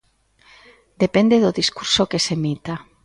Depende do discurso que se emita.